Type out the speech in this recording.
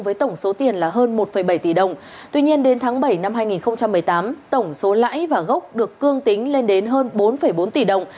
với tổng số tiền là hơn một bảy tỷ đồng tuy nhiên đến tháng bảy năm hai nghìn một mươi tám tổng số lãi và gốc được cương tính lên đến hơn bốn bốn tỷ đồng